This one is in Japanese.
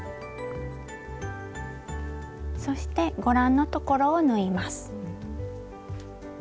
そしてご覧のところを縫います。